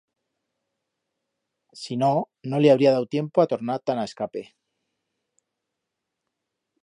Si no, no li habría dau tiempo a tornar tan a escape.